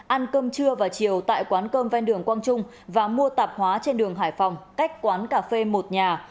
ăn cơm trưa và chiều tại quán cơm ven đường quang trung và mua tạp hóa trên đường hải phòng cách quán cà phê một nhà